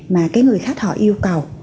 mà cái người khách họ yêu cầu